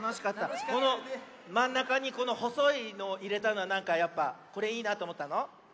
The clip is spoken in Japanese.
このまんなかにこのほそいのをいれたのはなんかやっぱこれいいなとおもったの？